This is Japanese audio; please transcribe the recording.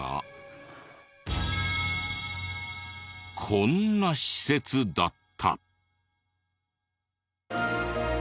こんな施設だった。